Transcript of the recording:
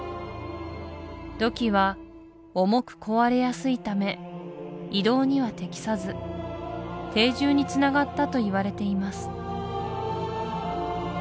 土器は重く壊れやすいため移動には適さず定住につながったといわれています